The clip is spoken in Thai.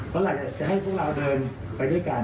เมื่อไหร่จะให้พวกเราเดินไปด้วยกัน